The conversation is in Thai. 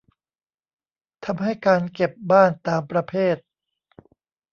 ทำให้การเก็บบ้านตามประเภท